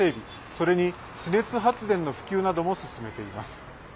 それに地熱発電の普及なども進めています。